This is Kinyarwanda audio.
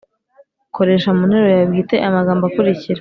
koresha mu nteruro yawe bwite aya magambo akurikira